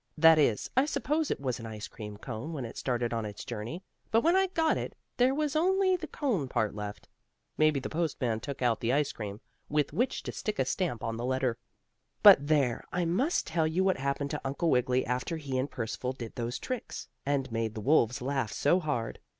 That is, I suppose it was an ice cream cone when it started on its journey, but when I got it there was only the cone part left. Maybe the postman took out the ice cream, with which to stick a stamp on the letter. But there, I must tell you what happened to Uncle Wiggily after he and Percival did those tricks, and made the wolves laugh so hard.